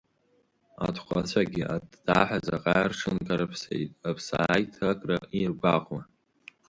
Аҭҟәацәагьы аттаҳәа ҵаҟа рҽынкарԥсеит, аԥсааиҭакра иаргәаҟуа.